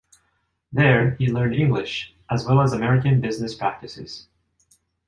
There, he learned English, as well as American business practices.